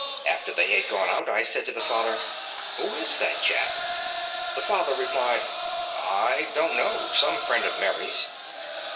After they had gone out, I said to the father: "Who is that chap?" The father replied: "I don't know; some friend of Mary's."